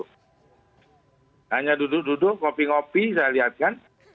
hanya duduk duduk kopi ngopi saya lihat kan